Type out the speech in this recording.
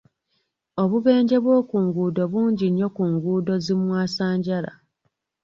Obubenje bw'oku nguudo bungi nnyo ku nguudo zimwasanjala.